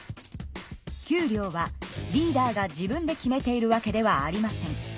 給料はリーダーが自分で決めているわけではありません。